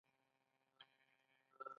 تکامل څه مانا لري؟